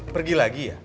pergi lagi ya